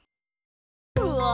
うわ！